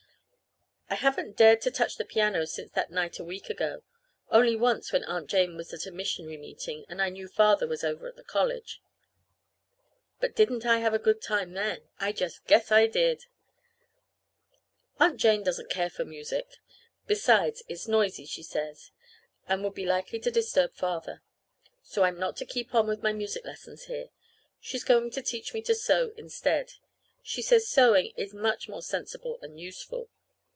I haven't dared to touch the piano since that night a week ago, only once when Aunt Jane was at a missionary meeting, and I knew Father was over to the college. But didn't I have a good time then? I just guess I did! Aunt Jane doesn't care for music. Besides, it's noisy, she says, and would be likely to disturb Father. So I'm not to keep on with my music lessons here. She's going to teach me to sew instead. She says sewing is much more sensible and useful.